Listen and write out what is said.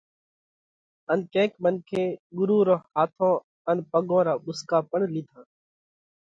ان ڪينڪ منکي ڳرُو رون هاٿون ان پڳون را ٻُوسڪا پڻ لِيڌا۔